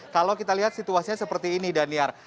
kalau kita lihat situasinya seperti ini daniar